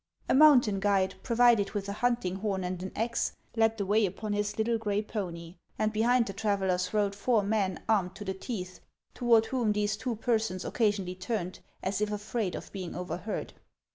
A mountain guide, provided with a hunting is 226 HANS OF ICELAND. horn aud an axe, led the way upon his little gray pony, and behind the travellers rode four men armed to the teeth, toward whom these two persons occasionally turned, as if afraid of being overheard.